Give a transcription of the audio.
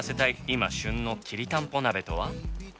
今旬のきりたんぽ鍋とは？